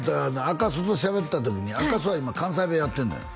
赤楚としゃべった時に赤楚は今関西弁やってんのよ